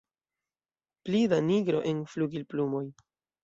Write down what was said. Pli da nigro en flugilplumoj.